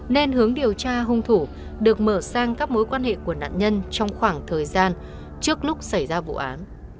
nên hướng điều tra hung thủ được mở sang các mối quan hệ của nạn nhân trong khoảng thời gian trước lúc xảy ra vụ án